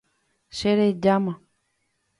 Cherejáma.